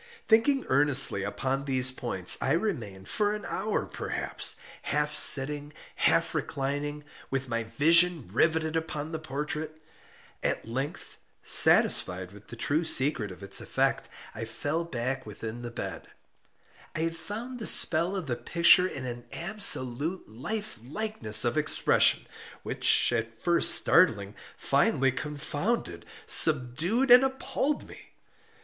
Thinking earnestly upon these points, I remained, for an hour perhaps, half sitting, half reclining, with my vision riveted upon the portrait. At length, satisfied with the true secret of its effect, I fell back within the bed. I had found the spell of the picture in an absolute life likeliness of expression, which, at first startling, finally confounded, subdued, and appalled me.